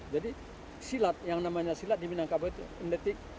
jadi silat yang namanya silat di minangkabau undetik